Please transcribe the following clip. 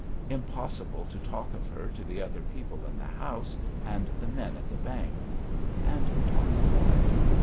Impossible to talk of her to the other people in the house and the men at the bank. And talk of what?